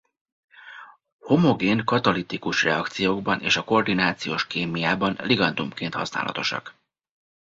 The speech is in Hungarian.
Homogén katalitikus reakciókban és a koordinációs kémiában ligandumként használatosak.